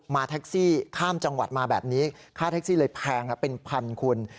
แท็กซี่ข้ามจังหวัดมาแบบนี้ค่าแท็กซี่เลยแพงเป็นพันคุณ